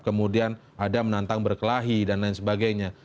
kemudian ada menantang berkelahi dan lain sebagainya